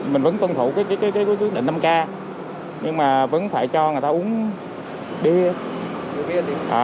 mình vẫn tuân thủ cái quy định năm k nhưng mà vẫn phải cho người ta uống bia